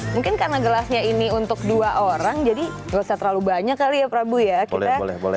mungkin karena gelasnya ini untuk dua orang jadi nggak usah terlalu banyak kali ya prabu ya